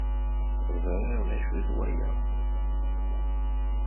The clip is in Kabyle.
Ẓriɣ d acu-t waya.